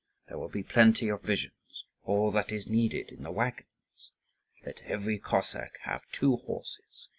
There will be plenty of provisions, all that is needed, in the waggons. Let every Cossack have two horses.